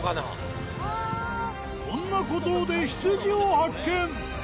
こんな孤島で羊を発見。